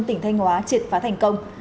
tỉnh thanh hóa triệt phá thành công